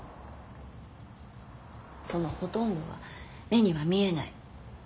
そのほとんどは目には見えない。